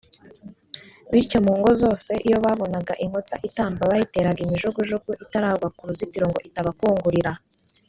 Bityo mu ngo zose iyo babonaga inkotsa itamba bayiteraga imijugujugu itaragwa ku ruzitiro ngo itabakungurira